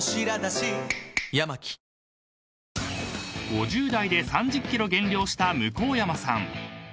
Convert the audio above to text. ［５０代で３０ｋｇ減量した向山さん］